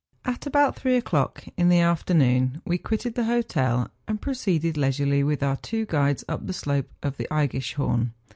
At about three o'clock in the afternoon, we quitted the hotel, and proceeded leisurely with our two guides up the slope of the Eggischhorn.